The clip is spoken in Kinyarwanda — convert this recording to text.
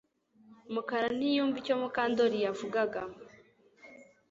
Mukara ntiyumva icyo Mukandoli yavugaga